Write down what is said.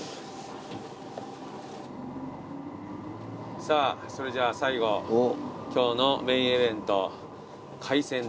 さぁそれじゃあ最後今日のメインイベント。